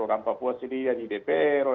orang papua sendiri yang idp